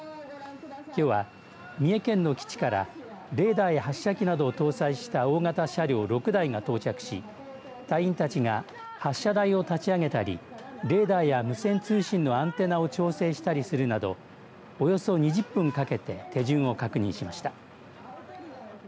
きょうは、三重県の基地からレーダーや発射機などを搭載した大型車両６台が到着し隊員たちが発射台を立ち上げたりレーダーや無線通信のアンテナを調整したりするなどおよそ２０分かけて手順を確認しました。